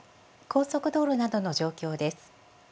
高速道路などの状況です。